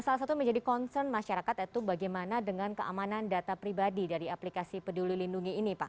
salah satu yang menjadi concern masyarakat itu bagaimana dengan keamanan data pribadi dari aplikasi peduli lindungi ini pak